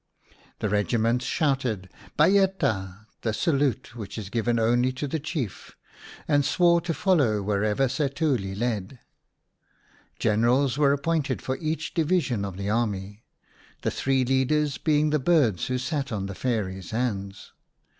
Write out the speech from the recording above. The regiments shouted " Bay eta," the salute which is given only to the Chief, and swore to follow wherever Setuli led. Generals were appointed for each division of the army, the three leaders being the birds who sat on the Fairy's hands.